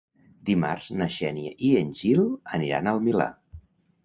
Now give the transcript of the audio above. Dimarts na Xènia i en Gil aniran al Milà.